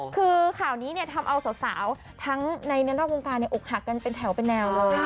คือข่าวนี้เนี่ยทำเอาสาวทั้งในนอกวงการอกหักกันเป็นแถวเป็นแนวเลย